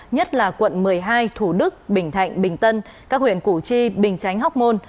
nhất là quận một mươi hai thủ đức bình thạnh bình tân các huyện củ chi bình chánh hóc môn